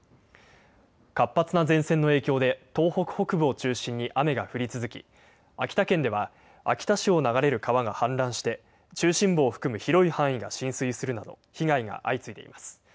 活発な前線の影響で東北北部を中心に雨が降り続き秋田県では秋田市を流れる川が氾濫して中心部を含む広い範囲が浸水するなど被害が相次いでいます。